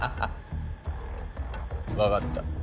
わかった。